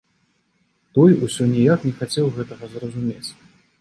Той усё ніяк не хацеў гэтага зразумець.